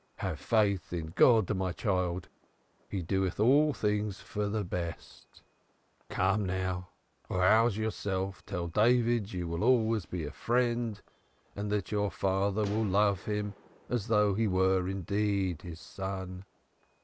Have faith in God, my child. He doeth all things for the best. Come now rouse yourself. Tell David you will always be a friend, and that your father will love him as though he were indeed his son."